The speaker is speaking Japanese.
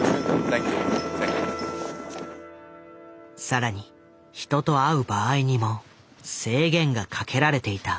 更に人と会う場合にも制限がかけられていた。